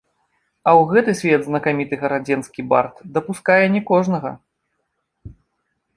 А ў гэты свет знакаміты гарадзенскі бард дапускае не кожнага.